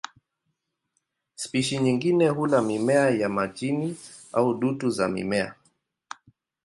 Spishi nyingine hula mimea ya majini au dutu za mimea.